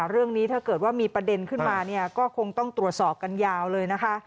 เรื่องนี้ถ้าเกิดว่ามีประเด็นขึ้นมาเนี่ยก็คงต้องตรวจสอบกันยาวเลยนะคะ